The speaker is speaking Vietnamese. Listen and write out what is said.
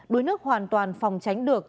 đối nước hoàn toàn phòng tránh được